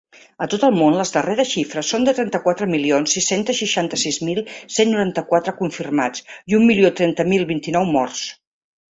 A tot el món, les darreres xifres són de trenta-quatre milions sis-cents seixanta-sis mil cent noranta-quatre confirmats i un milió trenta mil vint-i-nou morts.